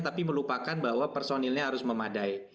tapi melupakan bahwa personilnya harus memadai